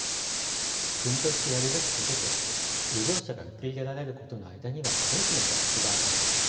国としてやるべきことと漁業者が受け入れられることの間には大きなギャップがあります。